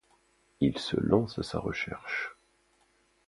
Il se lance à sa recherche.